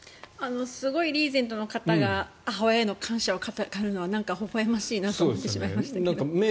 すごいリーゼントの方が母親への感謝を語るのはほほ笑ましいなと思いましたが。